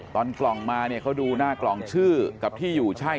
กล่องมาเนี่ยเขาดูหน้ากล่องชื่อกับที่อยู่ใช่